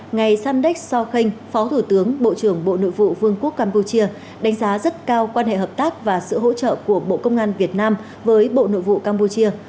ngài samdek sokhang phó thủ tướng bộ trưởng bộ nội vụ vương quốc campuchia đánh giá rất cao quan hệ hợp tác và sự hỗ trợ của bộ công an việt nam với bộ nội vụ campuchia